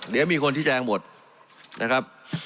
เดี๋ยวมีคนที่แจ้งหมดนะครับ